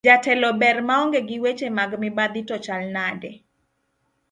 Jatelo ber maonge gi weche mag mibadhi to chal nade?